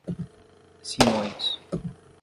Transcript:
Simões